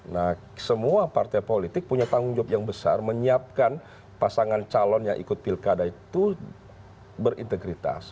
nah semua partai politik punya tanggung jawab yang besar menyiapkan pasangan calon yang ikut pilkada itu berintegritas